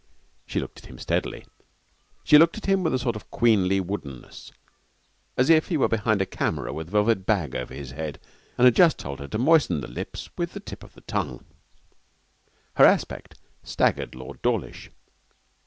She looked at him steadily. She looked at him with a sort of queenly woodenness, as if he were behind a camera with a velvet bag over his head and had just told her to moisten the lips with the tip of the tongue. Her aspect staggered Lord Dawlish.